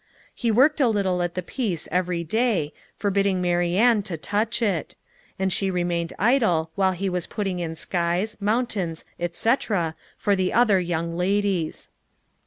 He worked a little at the piece every day, forbidding Marianne to touch it; and she remained idle while he was putting in skies, mountains, etc., for the other young ladies.